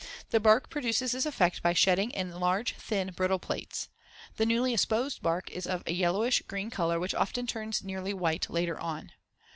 The bark produces this effect by shedding in large, thin, brittle plates. The newly exposed bark is of a yellowish green color which often turns nearly white later on.